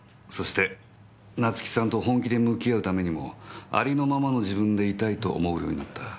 そして夏生さんと本気で向き合うためにもありのままの自分でいたいと思うようになった。